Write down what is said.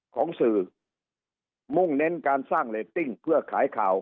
ของสื่อมุ่งเน้นการสร้างเรตติ้งเพื่อขายข่าว